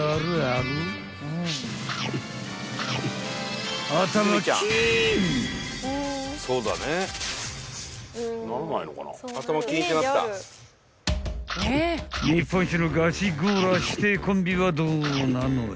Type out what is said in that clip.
［日本一のガチゴーラー師弟コンビはどうなのよ］